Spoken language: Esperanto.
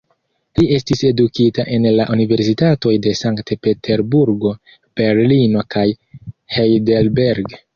Li estis edukita en la universitatoj de Sankt-Peterburgo, Berlino kaj Heidelberg.